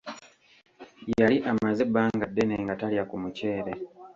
Yali amaze ebbanga ddene nga talya ku muceere.